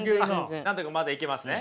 なんとかまだいけますね？